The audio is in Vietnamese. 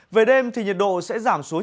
về đêm thì nhiệt độ sẽ giảm xuống